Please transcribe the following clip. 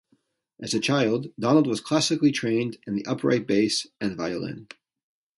As a child, Donald was classically trained in the upright bass and violin.